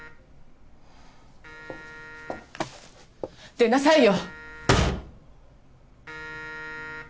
出なさいよ。